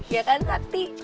iya kan sakti